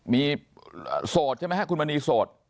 อ่อมีโสดใช่ไหมฮะคุณวันนี้โสด